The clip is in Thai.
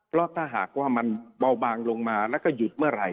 เพราะถ้าหากว่ามันเบาบางลงมาแล้วก็หยุดเมื่อไหร่